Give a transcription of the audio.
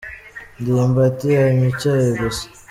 ndimbati anywa icyayi gusa.